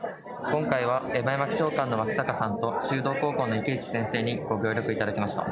今回は江波山気象館の脇阪さんと修道高校の池内先生にご協力いただきました。